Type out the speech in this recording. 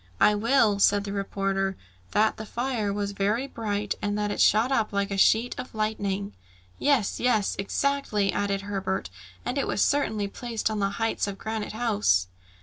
"I will add," said the reporter, "that the fire was very bright, and that it shot up like a sheet of lightning." "Yes, yes! exactly," added Herbert, "and it was certainly placed on the heights of Granite House."